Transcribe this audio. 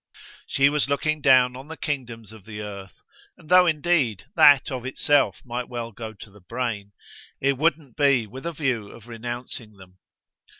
She was looking down on the kingdoms of the earth, and though indeed that of itself might well go to the brain, it wouldn't be with a view of renouncing them.